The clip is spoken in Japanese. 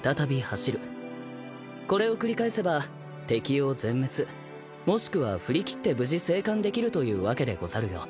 これを繰り返せば敵を全滅もしくは振り切って無事生還できるというわけでござるよ。